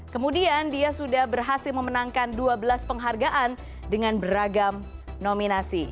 kemudian dia sudah berhasil memenangkan dua belas penghargaan dengan beragam nominasi